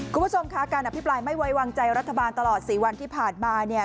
คุณผู้ชมคะการอภิปรายไม่ไว้วางใจรัฐบาลตลอด๔วันที่ผ่านมาเนี่ย